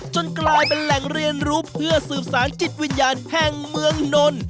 กลายเป็นแหล่งเรียนรู้เพื่อสืบสารจิตวิญญาณแห่งเมืองนนท์